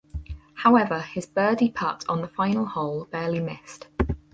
However his birdie putt on the final hole barely missed.